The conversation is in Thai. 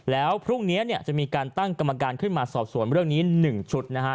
แล้วพรุ่งนี้เนี่ยจะมีการตั้งกรรมการขึ้นมาสอบสวนเรื่องนี้๑ชุดนะฮะ